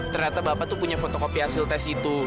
ternyata bapak tuh punya fotokopi hasil tes itu